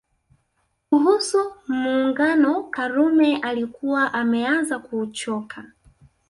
Kuhusu Muungano Karume alikuwa ameanza kuuchoka